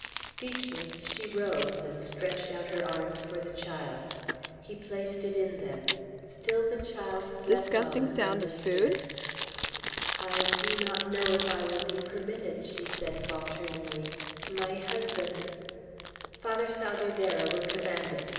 Speechless, she rose, and stretched out her arms for the child. He placed it in them. Still the child slept on, undisturbed. "I do not know if I will be permitted," she said falteringly; "my husband " "Father Salvierderra will command it.